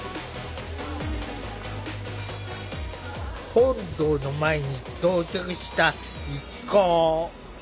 本堂の前に到着した一行。